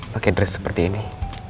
pakai dress seperti ini